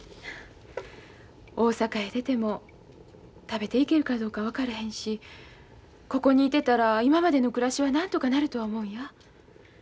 大阪へ出ても食べていけるかどうか分からへんしここにいてたら今までの暮らしはなんとかなるとは思うんや。